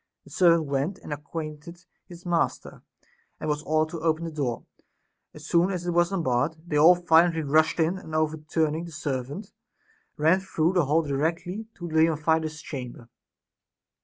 The servant went and acquainted his master, and was ordered to open the door ; as soon as it was unbarred, they all violently rushed in, and overturn ing the servant ran through the hall directly to Leontidas's chamber.